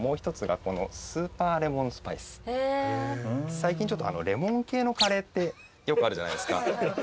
最近ちょっとレモン系のカレーってよくあるじゃないですか。